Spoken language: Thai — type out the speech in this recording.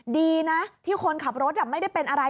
ดีนะที่คนขับรถไม่ได้เป็นอะไร